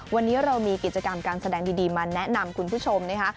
วันนี้เรามีกิจกรรมการแสดงดีมาแนะนำคุณผู้ชมนะคะ